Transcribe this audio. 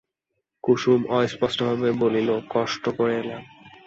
কুসুম অস্পষ্টভাবে বলিল, কষ্ট করে এলাম।